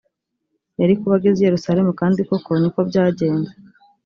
yari kuba ageze i yerusalemu kandi koko ni ko byagenze